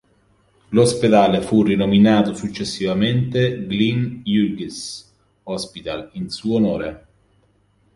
L'ospedale fu rinominato successivamente Glyn Hughes Hospital in suo onore.